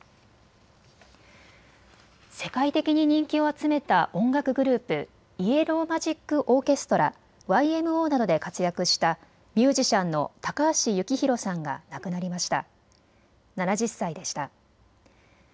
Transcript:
世界的に人気を集めた音楽グループ、イエロー・マジック・オーケストラ・ＹＭＯなどで活躍したミュージシャンの高橋幸宏さんが亡くなりました。